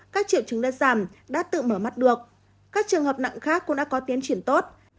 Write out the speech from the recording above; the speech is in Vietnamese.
các triệu chứng đã giảm đã tự mở mắt được các trường hợp nặng khác cũng đã có tiến triển tốt